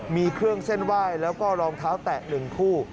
มีเครื่องเส้นไหว้แล้วก็รองเท้าแตะ๑คู่